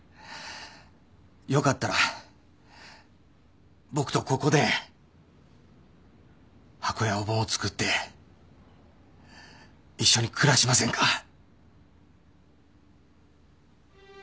よかったら僕とここで箱やお盆を作って一緒に暮らしませんか？